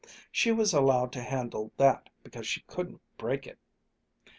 She was allowed to handle that because she couldn't break it.